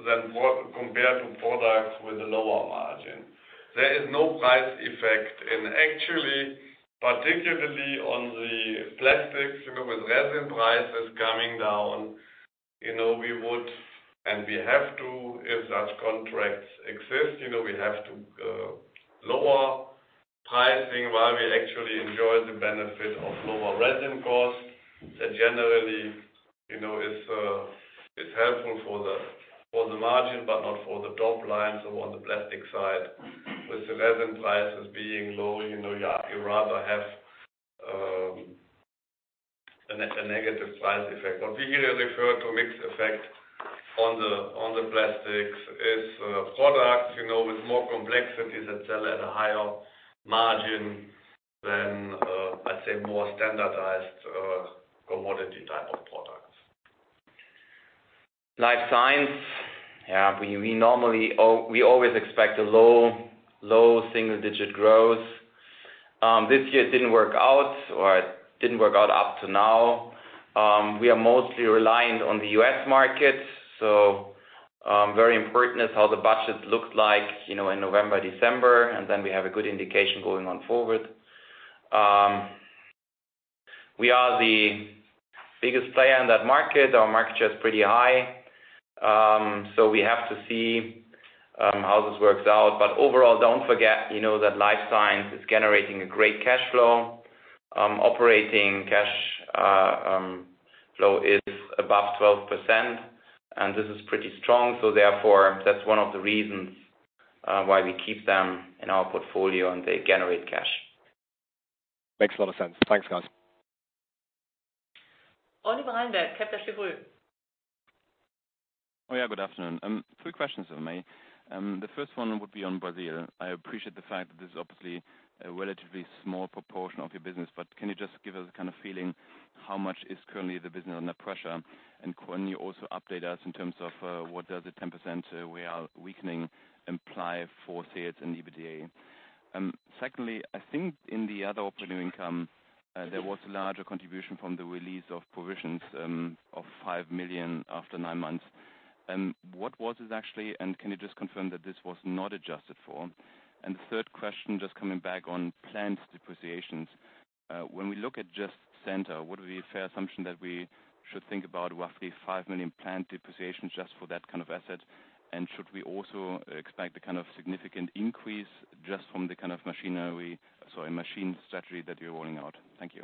than compared to products with a lower margin. There is no price effect. Actually, particularly on the plastics, with resin prices coming down, we would and we have to, if such contracts exist, we have to lower pricing while we actually enjoy the benefit of lower resin costs. That generally is helpful for the margin, but not for the top line. On the plastic side, with the resin prices being low, you rather have a negative price effect. What we really refer to mix effect on the plastics is products with more complexities that sell at a higher margin than, I'd say, more standardized commodity type of products. Life Science. Yeah, we always expect a low single-digit growth. This year it didn't work out or it didn't work out up to now. We are mostly reliant on the U.S. market, very important is how the budget looked like in November, December, and then we have a good indication going on forward. We are the biggest player in that market. Our market share is pretty high. We have to see how this works out. Overall, don't forget, that Life Science is generating a great cash flow. Operating cash flow is above 12%, and this is pretty strong. Therefore, that's one of the reasons why we keep them in our portfolio and they generate cash. Makes a lot of sense. Thanks, guys. Oliver Reinberg, Kepler Cheuvreux. Oh, yeah, good afternoon. Three questions of me. The first one would be on Brazil. I appreciate the fact that this is obviously a relatively small proportion of your business, can you just give us a feeling how much is currently the business under pressure? Can you also update us in terms of what does the 10% real weakening imply for sales and EBITDA? Secondly, I think in the other operating income, there was a larger contribution from the release of provisions of 5 million after nine months. What was this actually, and can you just confirm that this was not adjusted for? The third question, just coming back on plant depreciations. When we look at just Centor, would it be a fair assumption that we should think about roughly 5 million plant depreciation just for that kind of asset? Should we also expect a significant increase just from the machine strategy that you're rolling out? Thank you.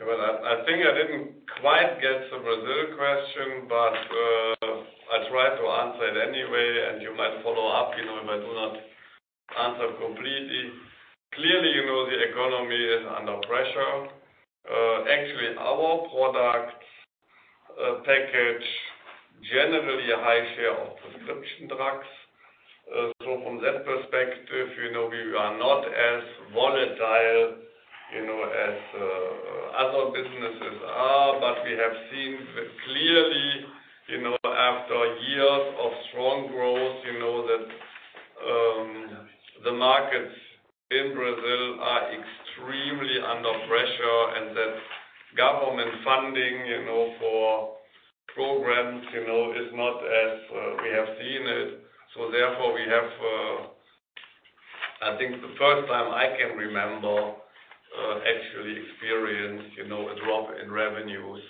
I think I didn't quite get the Brazil question, but I'll try to answer it anyway, and you might follow up if I do not answer completely. Clearly, the economy is under pressure. Actually, our products package generally a high share of prescription drugs. From that perspective, we are not as volatile as other businesses are. We have seen clearly, after years of strong growth, that the markets in Brazil are extremely under pressure and that government funding for programs is not as we have seen it. Therefore, we have, I think the first time I can remember actually experience a drop in revenues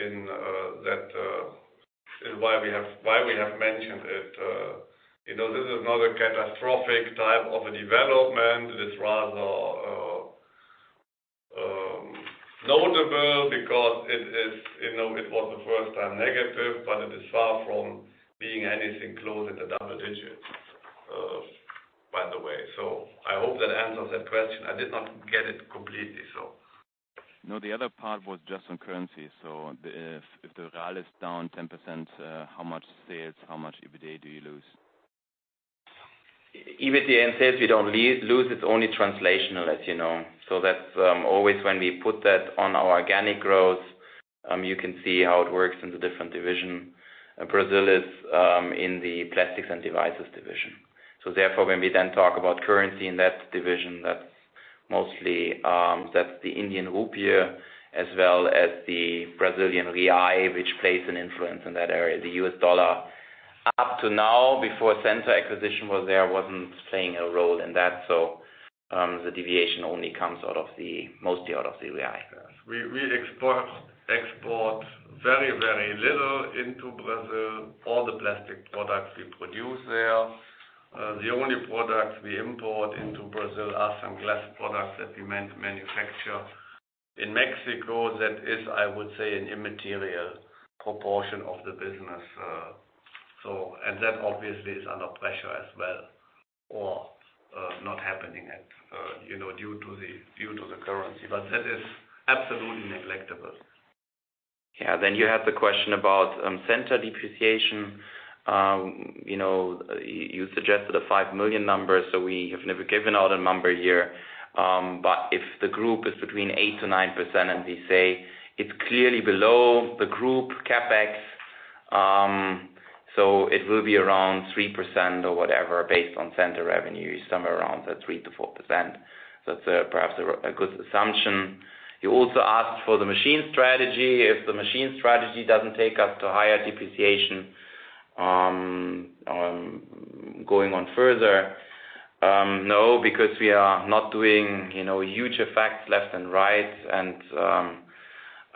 in that. This is why we have mentioned it. This is not a catastrophic type of a development. It is rather notable because it was the first time negative, but it is far from being anything close in the double digits, by the way. I hope that answers that question. I did not get it completely. No, the other part was just on currency. If the real is down 10%, how much sales, how much EBITDA do you lose? EBITDA and sales, we don't lose. It's only translational, as you know. That's always when we put that on our organic growth, you can see how it works in the different division. Brazil is in the Plastics & Devices division. Therefore, when we then talk about currency in that division, that's the Indian rupee as well as the Brazilian real, which plays an influence in that area. The US dollar, up to now, before Centor acquisition was there, wasn't playing a role in that. The deviation only comes mostly out of the real. We export very, very little into Brazil. All the plastic products we produce there. The only products we import into Brazil are some glass products that we manufacture in Mexico. That is, I would say, an immaterial proportion of the business. That obviously is under pressure as well, or not happening due to the currency. That is absolutely neglectable. You have the question about Centor depreciation. You suggested a 5 million number, we have never given out a number here. If the group is between 8%-9% and we say it's clearly below the group CapEx, it will be around 3% or whatever, based on Centor revenue is somewhere around the 3%-4%. It's perhaps a good assumption. You also asked for the machine strategy, if the machine strategy doesn't take us to higher depreciation, going on further. No, because we are not doing huge effects left and right.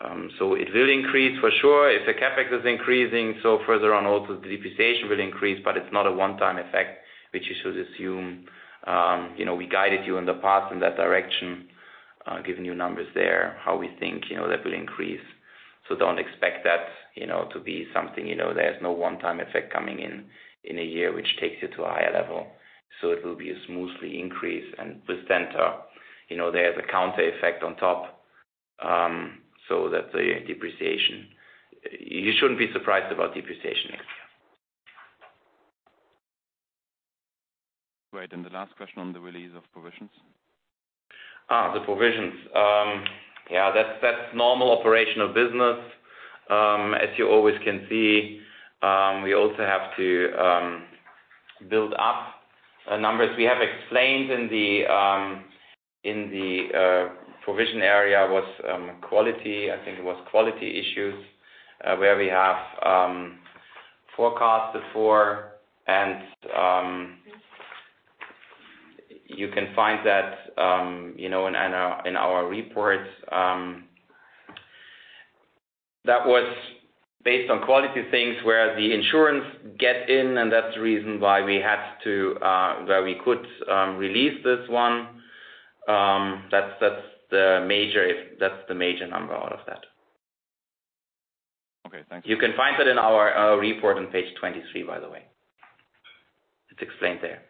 It will increase for sure if the CapEx is increasing, further on also the depreciation will increase, it's not a one-time effect, which you should assume. We guided you in the past in that direction, giving you numbers there, how we think that will increase. Don't expect that to be something, there is no one-time effect coming in a year, which takes you to a higher level. It will be a smoothly increase and with Centor, there's a counter effect on top, that the depreciation. You shouldn't be surprised about depreciation next year. Right. The last question on the release of provisions. Yeah, that's normal operational business. As you always can see, we also have to build up numbers. We have explained in the provision area was quality, I think it was quality issues, where we have forecasted for, and you can find that in our reports. That was based on quality things where the insurance get in, and that's the reason why we could release this one. That's the major number out of that. Okay. Thank you. You can find that in our report on page 23, by the way. It's explained there.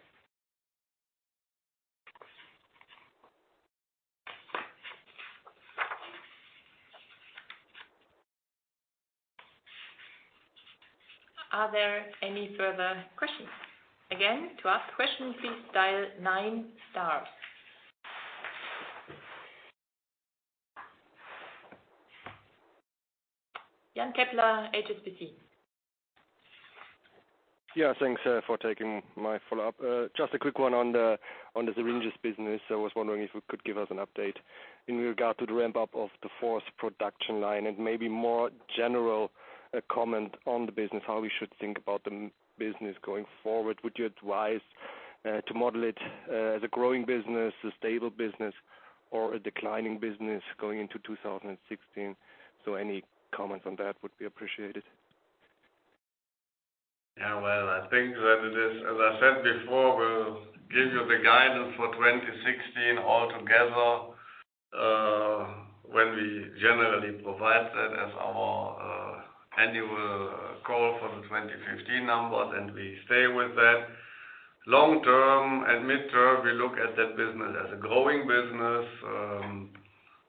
Are there any further questions? Again, to ask question, please dial 9 stars. Jan Keppler, HSBC. Yeah. Thanks for taking my follow-up. Just a quick one on the syringes business. I was wondering if you could give us an update in regard to the ramp-up of the fourth production line and maybe more general comment on the business, how we should think about the business going forward. Would you advise to model it as a growing business, a stable business, or a declining business going into 2016? Any comments on that would be appreciated. Yeah. Well, I think that it is, as I said before, we'll give you the guidance for 2016 altogether, when we generally provide that as our annual call for the 2015 numbers, and we stay with that. Long term and mid-term, we look at that business as a growing business.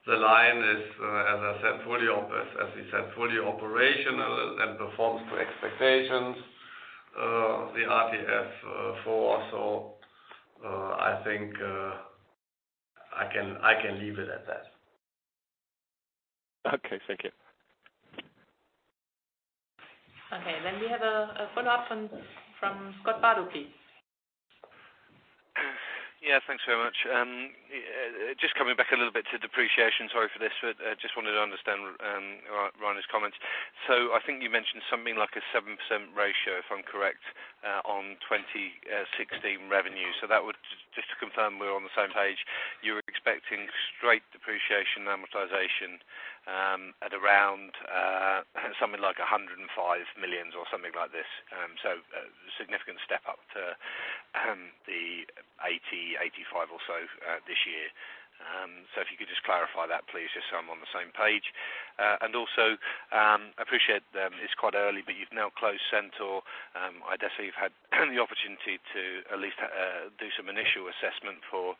The line is, as I said, fully operational and performs to expectations, the RTF four. I think I can leave it at that. Okay. Thank you. Okay. We have a follow-up from Scott Bardo, please. Yeah. Thanks very much. Just coming back a little bit to depreciation, sorry for this, but I just wanted to understand Rainer's comments. I think you mentioned something like a 7% ratio, if I'm correct, on 2016 revenue. Just to confirm we're on the same page, you're expecting straight depreciation amortization at around something like 105 million or something like this. A significant step up to the 80-85 or so this year. If you could just clarify that, please, just so I'm on the same page. Also appreciate it's quite early, but you've now closed Centor. I dare say you've had the opportunity to at least do some initial assessment for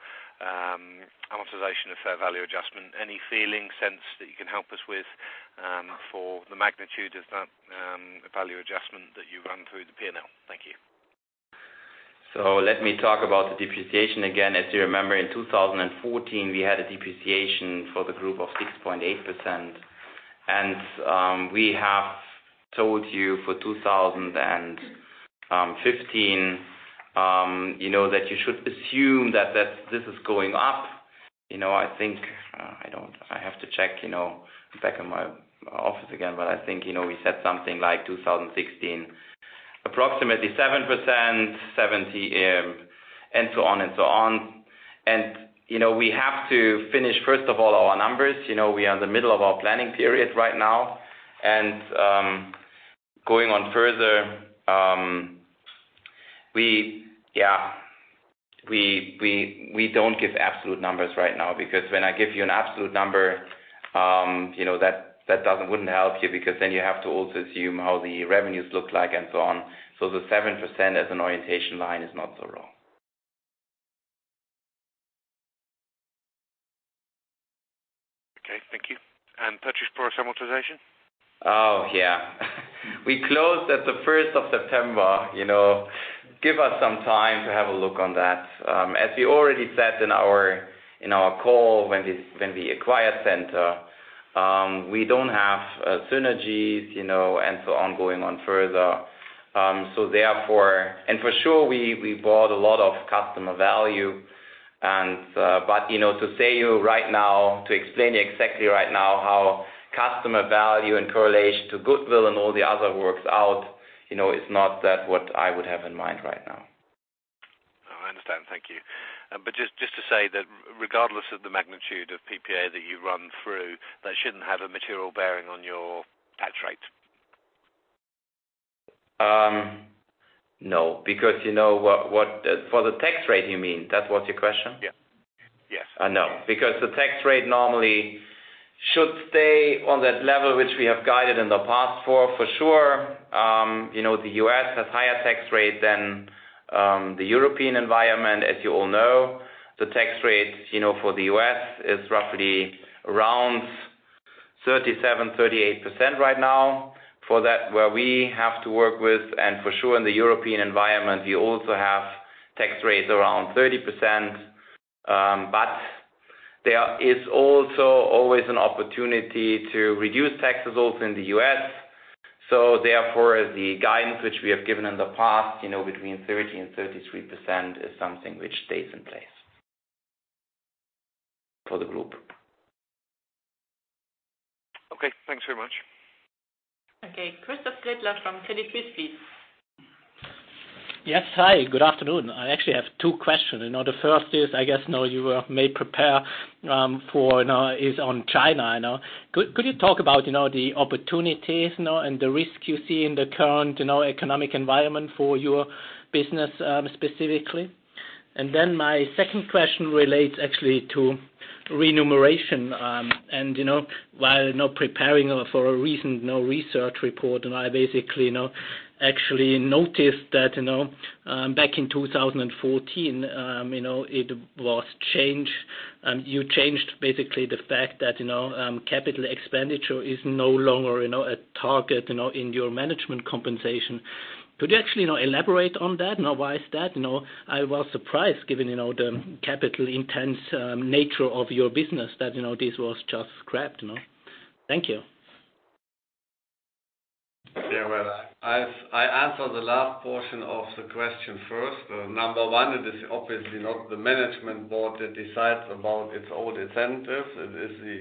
amortization of fair value adjustment. Any feeling, sense that you can help us with for the magnitude of that value adjustment that you run through the P&L? Thank you. Let me talk about the depreciation again. As you remember, in 2014, we had a depreciation for the group of 6.8%. We have told you for 2015, that you should assume that this is going up. I have to check back in my office again, but I think we said something like 2016, approximately 7%. And so on and so on. We have to finish, first of all, our numbers. We are in the middle of our planning period right now. Going on further, we don't give absolute numbers right now because when I give you an absolute number, that wouldn't help you because then you have to also assume how the revenues look like and so on. The 7% as an orientation line is not so wrong. Okay, thank you. Purchase amortization? Oh, yeah. We closed at the 1st of September. Give us some time to have a look on that. As we already said in our call when we acquired Centor, we don't have synergies and so on, going on further. For sure, we bought a lot of customer value. To explain to you exactly right now how customer value in correlation to goodwill and all the other works out, it's not what I would have in mind right now. Oh, I understand. Thank you. Just to say that regardless of the magnitude of PPA that you run through, that shouldn't have a material bearing on your tax rate. No, for the tax rate, you mean? That was your question? Yeah. Yes. No, because the tax rate normally should stay on that level, which we have guided in the past for sure. The U.S. has higher tax rates than the European environment, as you all know. The tax rate for the U.S. is roughly around 37%, 38% right now. For that, where we have to work with, and for sure in the European environment, you also have tax rates around 30%. There is also always an opportunity to reduce tax results in the U.S. Therefore, the guidance which we have given in the past between 30% and 33% is something which stays in place for the group. Okay. Thanks very much. Okay. Christoph Glettler from Baader-Helvea. Yes. Hi, good afternoon. I actually have two questions. The first is, I guess now you may prepare for now is on China. Could you talk about the opportunities now and the risk you see in the current economic environment for your business specifically? My second question relates actually to remuneration. While not preparing for a recent research report, I basically now actually noticed that back in 2014, it was changed. You changed basically the fact that capital expenditure is no longer a target in your management compensation. Could you actually now elaborate on that? Why is that? I was surprised given the capital-intensive nature of your business that this was just scrapped. Thank you. Well, I answer the last portion of the question first. Number 1, it is obviously not the management board that decides about its own incentives. It is the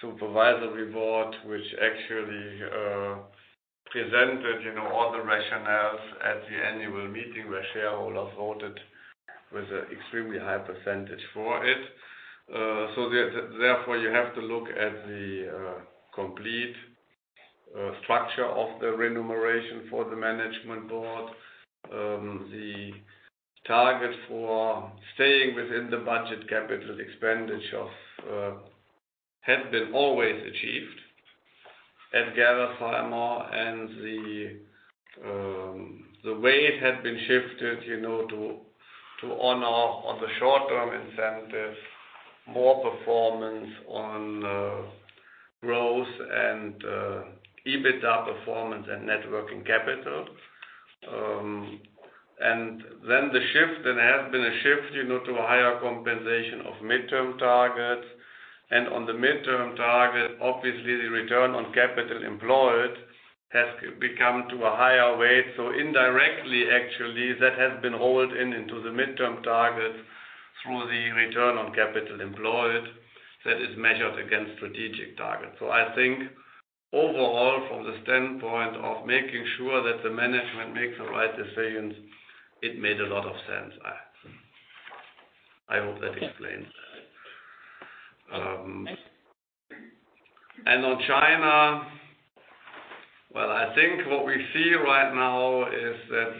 supervisory board, which actually presented all the rationales at the annual meeting where shareholders voted with an extremely high percentage for it. Therefore, you have to look at the complete structure of the remuneration for the management board. The target for staying within the budget capital expenditure had been always achieved at Gerresheimer, and the weight had been shifted to honor on the short-term incentives, more performance on growth and EBITDA performance and net working capital. Then the shift, and there has been a shift to a higher compensation of midterm targets. On the midterm target, obviously, the return on capital employed has become to a higher weight. Indirectly, actually, that has been rolled in into the midterm target through the return on capital employed that is measured against strategic targets. I think overall, from the standpoint of making sure that the management makes the right decisions, it made a lot of sense. I hope that explains that. Thanks. On China, well, I think what we see right now is that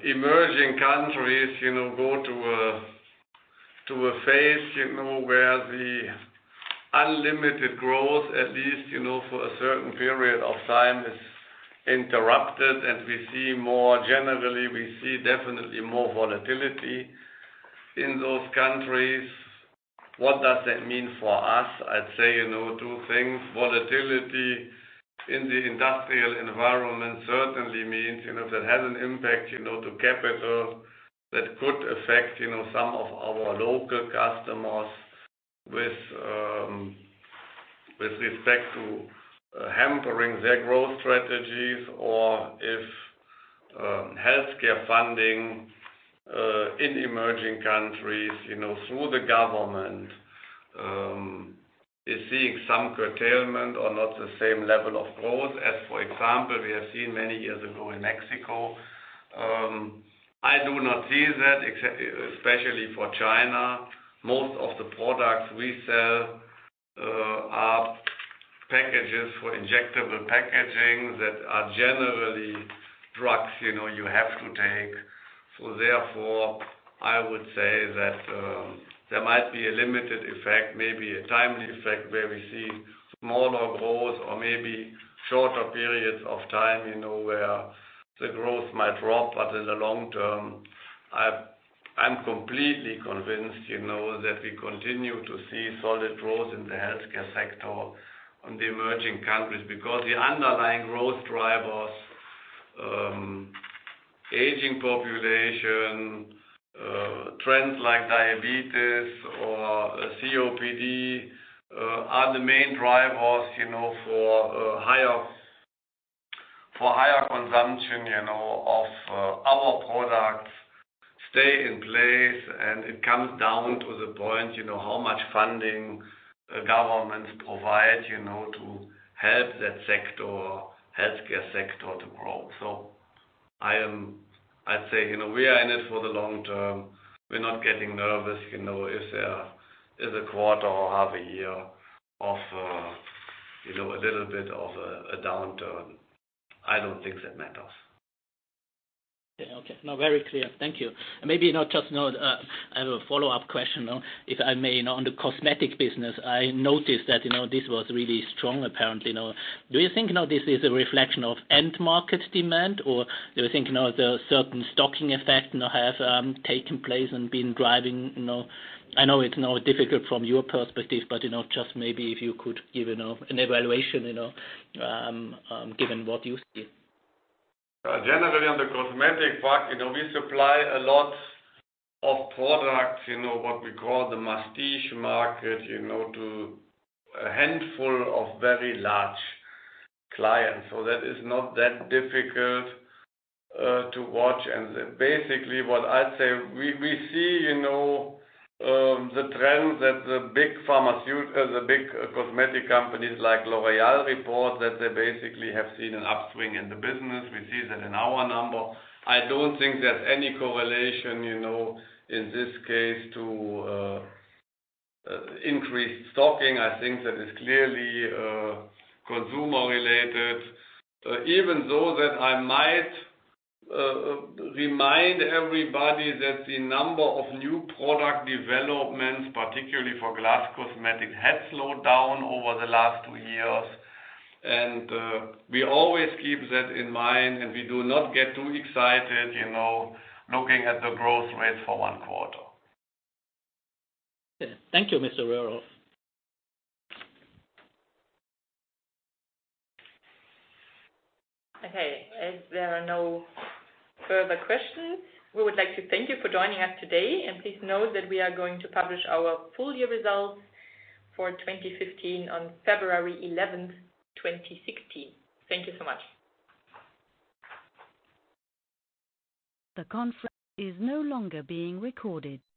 the emerging countries go to a phase where the unlimited growth, at least for a certain period of time, is interrupted, and we see more generally, we see definitely more volatility in those countries. What does that mean for us? I'd say 2 things. Volatility in the industrial environment certainly means that has an impact to capital that could affect some of our local customers with respect to hampering their growth strategies or if healthcare funding in emerging countries, through the government, is seeing some curtailment or not the same level of growth as, for example, we have seen many years ago in Mexico. I do not see that, especially for China. Most of the products we sell are packages for injectable packaging that are generally drugs you have to take. Therefore, I would say that there might be a limited effect, maybe a timely effect, where we see smaller growth or maybe shorter periods of time, where the growth might drop. In the long term, I'm completely convinced that we continue to see solid growth in the healthcare sector on the emerging countries, because the underlying growth drivers, aging population, trends like diabetes or COPD, are the main drivers for higher consumption of our products stay in place. It comes down to the point, how much funding governments provide to help that sector, healthcare sector to grow. I'd say, we are in it for the long term. We're not getting nervous. If there is a quarter or half a year of a little bit of a downturn, I don't think that matters. Okay. No, very clear. Thank you. Maybe now just I have a follow-up question. If I may, on the cosmetic business, I noticed that this was really strong apparently. Do you think now this is a reflection of end market demand, or do you think now there are certain stocking effect now have taken place and been driving? I know it's now difficult from your perspective, but just maybe if you could give an evaluation, given what you see. Generally, on the cosmetic part, we supply a lot of products, what we call the masstige market, to a handful of very large clients. That is not that difficult to watch. Basically what I'd say, we see the trends that the big cosmetic companies like L'Oréal report that they basically have seen an upswing in the business. We see that in our number. I don't think there's any correlation, in this case, to increased stocking. I think that is clearly consumer-related. Even though that I might remind everybody that the number of new product developments, particularly for glass cosmetics, has slowed down over the last two years. We always keep that in mind, and we do not get too excited, looking at the growth rate for one quarter. Okay. Thank you, Mr. Röhrhoff. Okay. There are no further questions, we would like to thank you for joining us today, and please note that we are going to publish our full year results for 2015 on February 11th, 2016. Thank you so much. The conference is no longer being recorded.